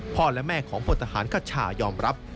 และแม่ของพลทหารคชายอมรับ